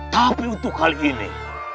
tapi untuk kali ini